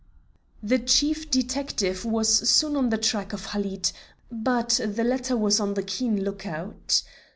The Chief Detective was soon on the track of Halid; but the latter was on the keen lookout.